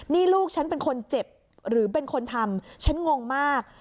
นี่ลูกฉันเป็นคนเจ็บหรือเป็นคนทำฉันงงมาก